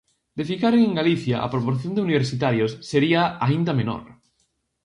De ficaren en Galicia, a proporción de universitarios sería aínda menor.